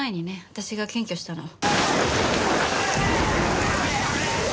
私が検挙したの。